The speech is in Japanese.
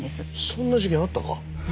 そんな事件あったか？